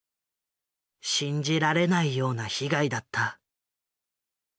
信じられないような被害だった。